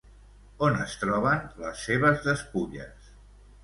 On es troben les seves despulles?